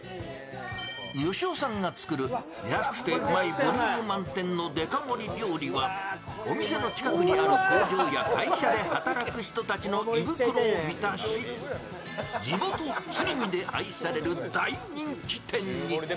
活夫さんが作る安くてうまいボリューム満点のデカ盛り料理はお店の近くにある工場や会社で働く人たちの胃袋を満たし地元・鶴見で愛される大人気店に。